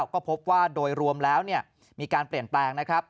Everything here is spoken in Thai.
ก็พบว่าโดยรวมแล้วมีการเปลี่ยนแปลงนะครับ